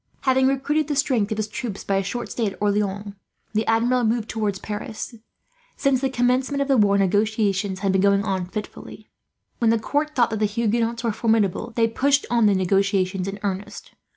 Having recruited the strength of his troops, by a short stay at Orleans, the Admiral moved towards Paris. Since the commencement of the war, negotiations had been going on fitfully. When the court thought that the Huguenots were formidable, they pushed on the negotiations in earnest.